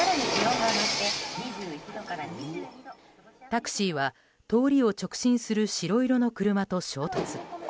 タクシーは通りを直進する白色の車と衝突。